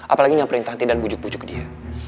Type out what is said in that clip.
apalagi nyamperin tanti dan bujuk bujuk dia